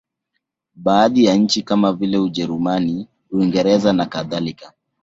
Baadhi ya nchi kama vile Ujerumani, Uingereza nakadhalika.